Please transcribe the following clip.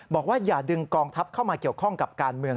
อย่าดึงกองทัพเข้ามาเกี่ยวข้องกับการเมือง